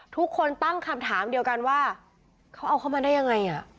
ทุกคนตั้งคำถามเดียวกันว่าเขาเอาเข้ามาได้ยังไง